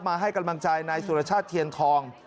ให้กำลังใจนายสุรชาติเทียนทอง